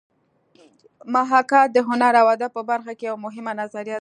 محاکات د هنر او ادب په برخه کې یوه مهمه نظریه ده